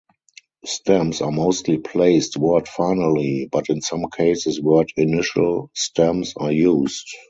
Stems are mostly placed word-finally, but in some cases word-initial stems are used.